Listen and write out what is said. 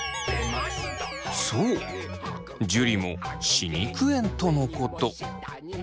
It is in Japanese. そう樹も歯肉炎とのこと。